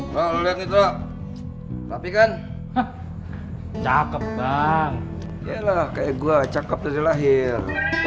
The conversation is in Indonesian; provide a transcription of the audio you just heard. kalau lihat itu tapi kan cakep bang ya lah kayak gue cakep dari lahir